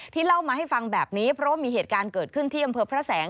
เล่ามาให้ฟังแบบนี้เพราะว่ามีเหตุการณ์เกิดขึ้นที่อำเภอพระแสง